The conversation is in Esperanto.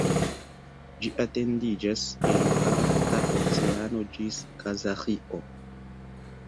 Ĝi etendiĝas el Arkta Oceano ĝis Kazaĥio.